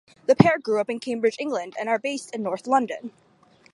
The pair grew up in Cambridge, England and are based in North London.